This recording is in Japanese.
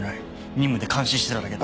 任務で監視してただけだ。